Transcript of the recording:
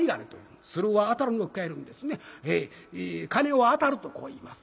「鉦を当たる」とこう言います。